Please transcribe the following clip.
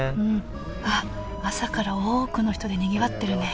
あっ朝から多くの人でにぎわってるね。